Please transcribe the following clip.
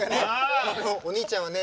お兄ちゃんはね